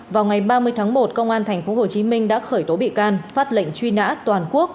vào ngày ba mươi tháng một công an tp hcm đã khởi tố bị can phát lệnh truy nã toàn quốc